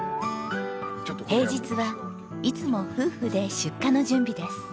平日はいつも夫婦で出荷の準備です。